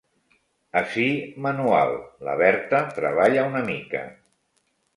Ací, manual, la Berta treballa una mica.